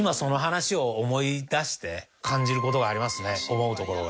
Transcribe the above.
思うところが。